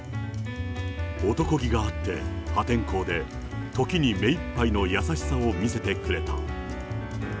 男気があって、破天荒で、時に目いっぱいの優しさを見せてくれた。